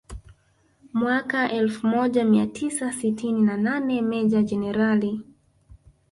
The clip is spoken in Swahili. Mwaka elfu moja mia tisa sitini na nane Meja Jenerali